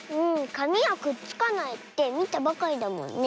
かみはくっつかないってみたばかりだもんね。